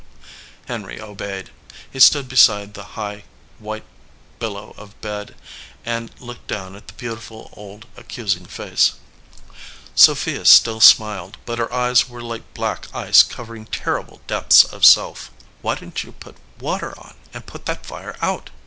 Henry obeyed. He stood beside the high, white billow of bed and looked down at the beautiful, old, accusing face. Sophia still smiled, but her eyes were like black ice covering terrible depths of self. "Why didn t you put water on and put that fire out?"